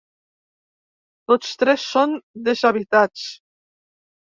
Tots tres són deshabitats.